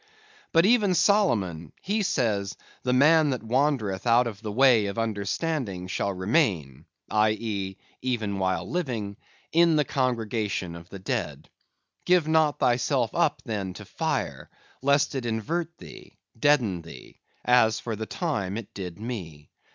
But even Solomon, he says, "the man that wandereth out of the way of understanding shall remain" (i.e., even while living) "in the congregation of the dead." Give not thyself up, then, to fire, lest it invert thee, deaden thee; as for the time it did me.